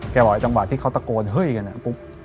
แกบอกไอ้จังหวะที่เค้าตะโกนเฮ้ยอยู่เนี่ยปุ๊บ